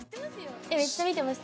めっちゃ見てました。